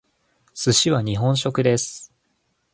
寿司は日本食です。